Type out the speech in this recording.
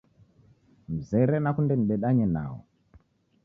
Mzere nakunde nidedanye nao.